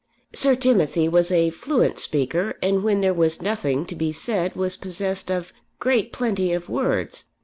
Sir Timothy was a fluent speaker, and when there was nothing to be said was possessed of great plenty of words.